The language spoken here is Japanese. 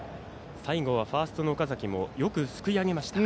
最後はファーストの岡崎もよくすくい上げました。